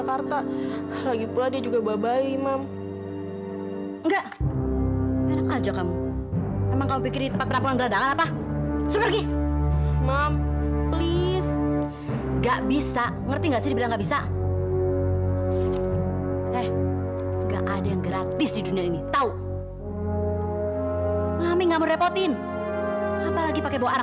sampai jumpa di video selanjutnya